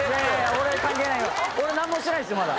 俺なんもしてないですよまだ。